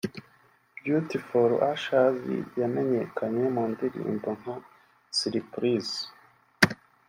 Beauty For Ashes yamenyekanye mu ndirimbo nka Suripurize